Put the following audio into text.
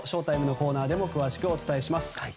ＳＨＯ‐ＴＩＭＥのコーナーでも詳しくお伝えします。